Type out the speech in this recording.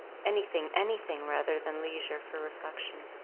Any thing, any thing, rather than leisure for reflection.